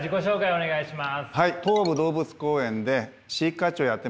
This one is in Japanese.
お願いします。